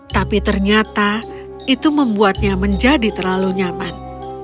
tapi ternyata itu membuatnya menjadi terlalu nyaman